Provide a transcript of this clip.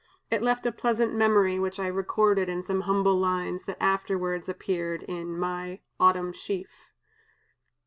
It left a pleasant memory, which I recorded in some humble lines that afterwards appeared in my 'Autumn Sheaf.'"